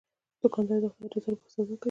دوکاندار د خدای د رضا لپاره سودا کوي.